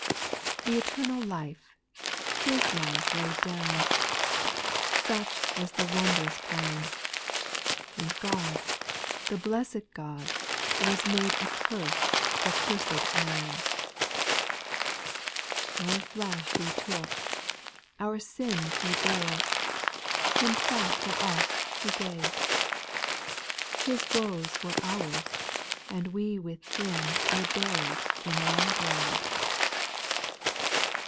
Th' eternal Life His life laid down, — Such was the wondrous plan, — And God, the blessed God, was made A curse for cursed man. 5. Our flesh He took, our sins He bore, Himself for us He gave ; His woes were our's, and we with Him Were buried in one grave.